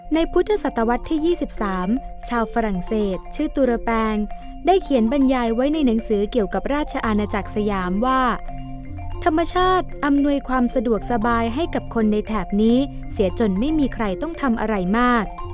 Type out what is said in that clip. ในพุทธศตวรรษที่๒๓ชาวฝรั่งเศสชื่อตุรแปงได้เขียนบรรยายไว้ในหนังสือเกี่ยวกับราชอาณาจักรสยามว่าธรรมชาติอำนวยความสะดวกสบายให้กับคนในแถบนี้เสียจนไม่มีใครต้องทำอะไรมาก